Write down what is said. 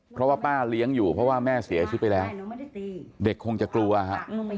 เพราะว่าป้าเลี้ยงอยู่เพราะว่าแม่เสียชีวิตไปแล้วเด็กคงจะกลัวฮะ